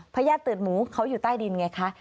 ญาติตืดหมูเขาอยู่ใต้ดินไงคะ